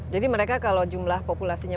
jadi mereka kalau jumlah populasinya